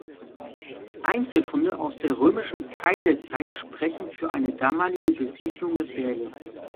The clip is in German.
Einzelfunde aus der Römischen Kaiserzeit sprechen für eine damalige Besiedlung des Berges.